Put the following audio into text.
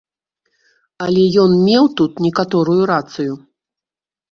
Але ён меў тут некаторую рацыю.